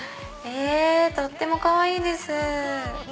とってもかわいいです！